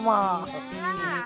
sampai jumpa lagi